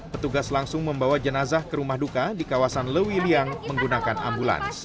petugas langsung membawa jenazah ke rumah duka di kawasan lewiliang menggunakan ambulans